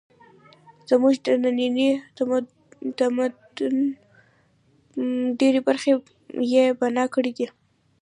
زموږ د ننني تمدن ډېرې برخې یې بنا کړې دي.